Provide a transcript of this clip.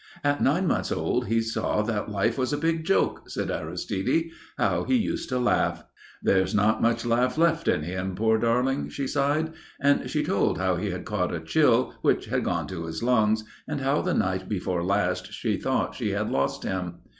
"At nine months old he saw that life was a big joke," said Aristide. "How he used to laugh." "There's not much laugh left in him, poor darling," she sighed. And she told how he had caught a chill which had gone to his lungs and how the night before last she thought she had lost him.